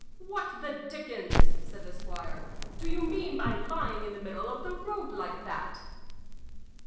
"What the dickens," said the squire, "do you mean by lying in the middle of the road like that?"